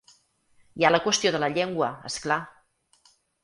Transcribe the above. Hi ha la qüestió de la llengua, és clar.